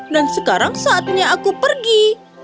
dan sekarang saatnya aku pergi